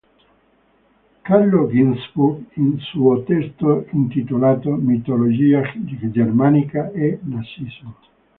Carlo Ginzburg, in un suo testo intitolato "Mitologia germanica e nazismo.